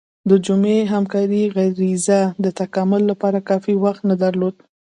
د جمعي همکارۍ غریزه د تکامل لپاره کافي وخت نه درلود.